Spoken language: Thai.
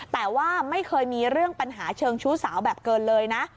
แต่ว่าไม่เคยมีเรื่องปัญหาเชิงชู้สาวแบบเกินเลยนะ